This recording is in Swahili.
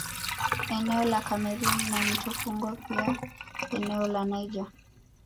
Eneo la Cameroon na mto Congo pia eneo la Niger